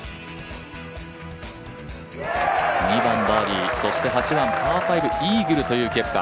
２番バーディー、そして８番パー５イーグルという結果。